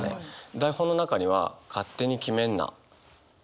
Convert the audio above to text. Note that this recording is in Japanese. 台本の中には「勝手に決めんな」。